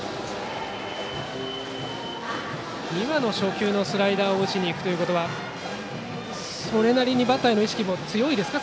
今の初球のスライダー打ちに行くということはそれなりにバッターへの意識も強いですか